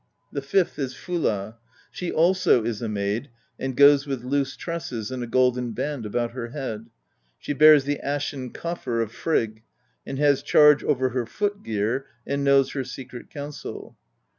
The fifth is Fulla: she also is a maid, and goes with loose tresses and a golden band about her head ; she bears the ashen coffer of Frigg, and has charge over her foot gear, and knows her secret counsel.